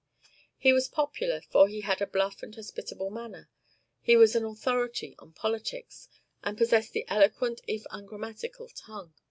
He was popular, for he had a bluff and hospitable manner; he was an authority on politics, and possessed an eloquent if ungrammatical tongue.